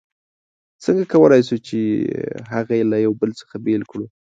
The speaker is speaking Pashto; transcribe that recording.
څنګه کولای شو چې هغه یو له بل څخه بېل کړو؟